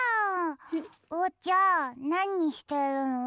おうちゃんなにしてるの？